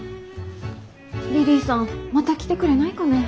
リリィさんまた来てくれないかね？